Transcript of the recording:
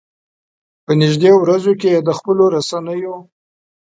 په نږدې ورځو کې یې د خپلو رسنيو.